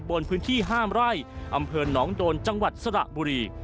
บนพื้นที่ห้ามไร่อำเภอหนองโดนจังหวัดสระบุรี